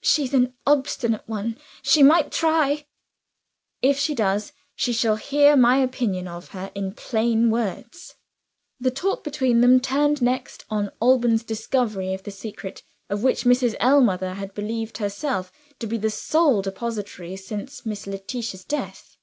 "She's an obstinate one she might try." "If she does, she shall hear my opinion of her in plain words." The talk between them turned next on Alban's discovery of the secret, of which Mrs. Ellmother had believed herself to be the sole depositary since Miss Letitia's death.